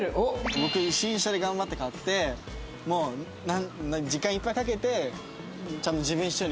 僕新車で頑張って買ってもう時間いっぱいかけてちゃんと自分仕様にしたいです。